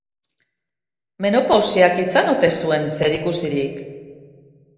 Menopausiak izan ote zuen zerikusirik?